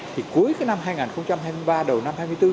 thì cuối năm hai nghìn hai mươi ba đầu năm hai mươi bốn